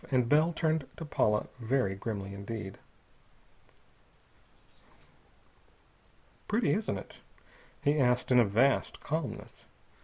And Bell turned to Paula very grimly indeed. "Pretty, isn't it?" he asked in a vast calmness.